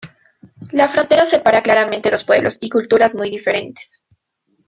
La frontera separa claramente dos pueblos y culturas muy diferentes.